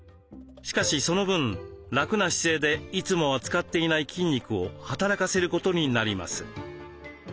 しかしその分楽な姿勢でいつもは使っていない筋肉を働かせることになります。